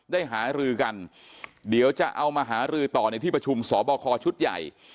หารือกันเดี๋ยวจะเอามาหารือต่อในที่ประชุมสอบคอชุดใหญ่